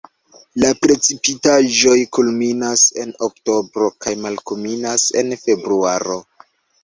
La precipitaĵoj kulminas en oktobro kaj malkulminas en februaro.